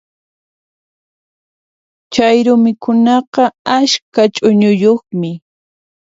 Chayru mikhunaqa askha ch'uñuyuqmi.